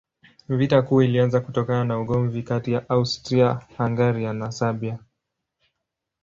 Vita Kuu ilianza kutokana na ugomvi kati ya Austria-Hungaria na Serbia.